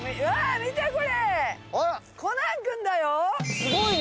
すごいね！